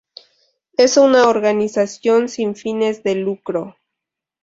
Es una organización sin fines de lucro.